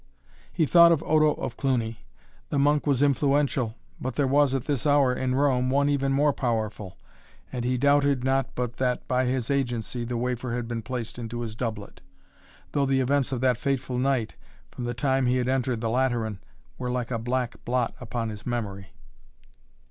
He thought of Odo of Cluny. The monk was influential, but there was, at this hour, in Rome, one even more powerful, and he doubted not but that by his agency the wafer had been placed into his doublet, though the events of that fateful night from the time he had entered the Lateran, were like a black blot upon his memory.